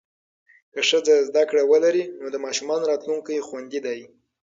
که ښځه زده کړه ولري، نو د ماشومانو راتلونکی خوندي دی.